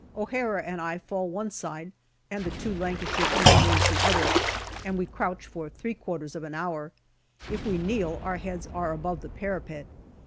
O'Hara and I fall one side, and the two Lancashire Fusiliers the other, and we crouch for three quarters of an hour. If we kneel, our heads are above the parapet.